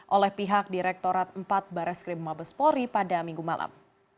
oleh pihak direktorat empat barreskrim mabespori pada minggu malam